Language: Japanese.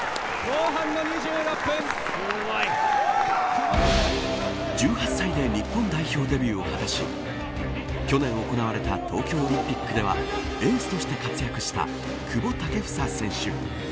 後半の２６分１８歳で日本代表デビューを果たし去年行われた東京オリンピックではエースとして活躍した久保建英選手。